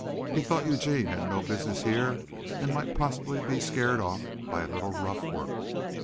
He thought Eugene had no business here and might possibly be scared off by a little rough work.